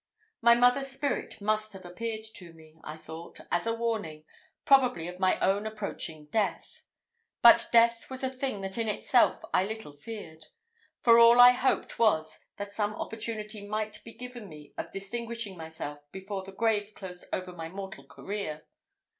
My mother's spirit must have appeared to me, I thought, as a warning, probably of my own approaching death: but death was a thing that in itself I little feared; and all I hoped was, that some opportunity might be given me of distinguishing myself before the grave closed over my mortal career.